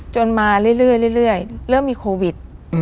มาเรื่อยเริ่มมีโควิด